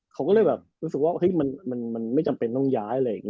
เขาก็เลยแบบรู้สึกว่ามันไม่จำเป็นต้องย้ายอะไรอย่างนี้